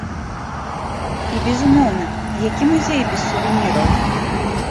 І, безумоўна, які музей без сувеніраў?